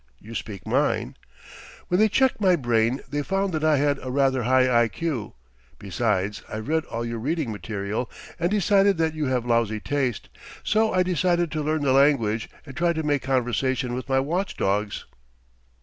You speak mine. When they checked my brain, they found that I had a rather high I.Q. Besides, I've read all your reading material and decided that you have lousy taste. So I decided to learn the language, and try to make conversation with my watch dogs."